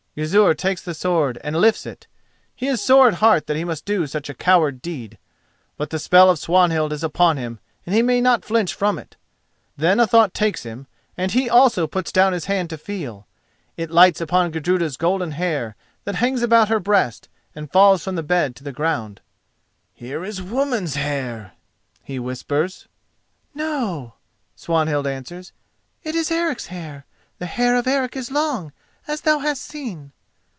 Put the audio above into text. Gizur takes the sword and lifts it. He is sore at heart that he must do such a coward deed; but the spell of Swanhild is upon him, and he may not flinch from it. Then a thought takes him and he also puts down his hand to feel. It lights upon Gudruda's golden hair, that hangs about her breast and falls from the bed to the ground. "Here is woman's hair," he whispers. "No," Swanhild answers, "it is Eric's hair. The hair of Eric is long, as thou hast seen."